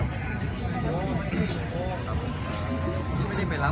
แม่กับผู้วิทยาลัย